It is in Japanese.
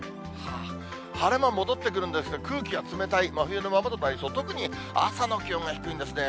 晴れ間戻ってくるんですが、空気は冷たい真冬のままの、特に朝の気温が低いんですね。